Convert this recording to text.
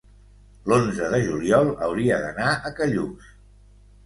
l'onze de juliol hauria d'anar a Callús.